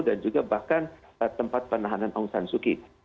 dan juga bahkan tempat penahanan aung san suu kyi